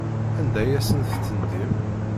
Anda ay asent-tendim?